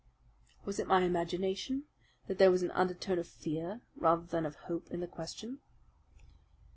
Was it my imagination that there was an undertone of fear rather than of hope in the question?